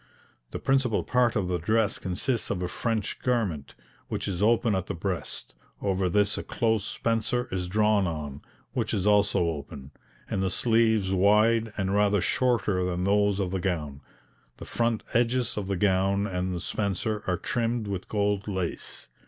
The principal part of the dress consists of a French garment, which is open at the breast, over this a close spencer is drawn on, which is also open, and the sleeves wide and rather shorter than those of the gown. The front edges of the gown and spencer are trimmed with gold lace.